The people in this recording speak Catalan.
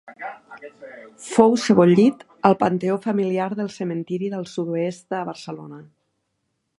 Fou sebollit al panteó familiar del Cementiri del Sud-oest de Barcelona.